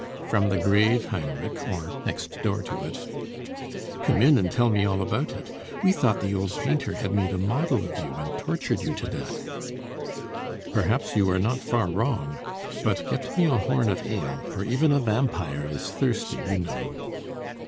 "From the grave, Heinrich, or next door to it." "Come in, and tell me all about it. We thought the old painter had made a model of you, and tortured you to death." "Perhaps you were not far wrong. But get me a horn of ale, for even a vampire is thirsty, you know."